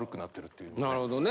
なるほどね。